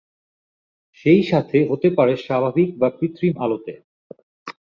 সেই সাথে হতে পারে স্বাভাবিক বা কৃত্রিম আলোতে।